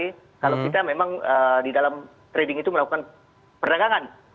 kalau kita memang di dalam trading itu melakukan perdagangan